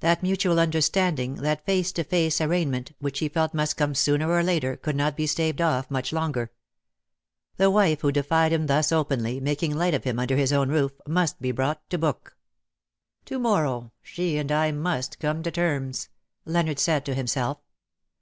That mutual understanding, that face to face arraignment, which he felt must come sooner or later, could not be staved off much longer. The wife who defied him thus openly, making light of him under his own roof, must he brought to book. 190 ^' HIS LADY SMILES j " To morrow she and I must come to terms/' Leonard said to himself.